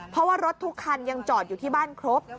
เพราะว่ารถทุกคันยังจอดอยู่ที่บ้านครบ